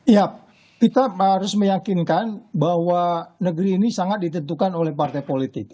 ya kita harus meyakinkan bahwa negeri ini sangat ditentukan oleh partai politik